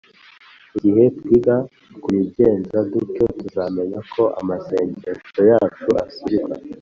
. Igihe twiga kubigenza dutyo, tuzamenya ko amasengesho yacu asubizwa.